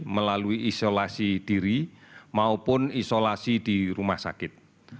melalui isolasi diri maupun isolasi di rumah sakit